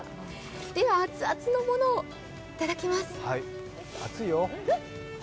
では、熱々のものを頂きます。